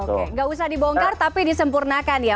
oke nggak usah dibongkar tapi disempurnakan ya